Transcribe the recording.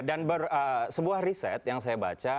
dan sebuah riset yang saya baca